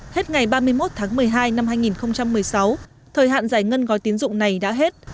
hết ngày ba mươi một tháng một mươi hai năm hai nghìn một mươi sáu thời hạn giải ngân gói tín dụng này đã hết